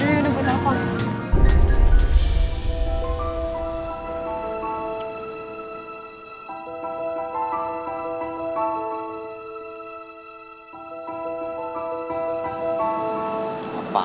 yaudah gue telepon